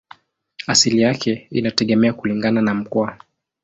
Asili yake inategemea kulingana na mkoa.